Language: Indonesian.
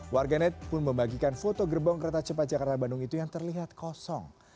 warganet pun membagikan foto gerbong kereta cepat jakarta bandung itu yang terlihat kosong